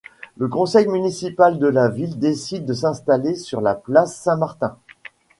Le conseil municipal de la ville décide de l'installer sur la place Saint-Martin.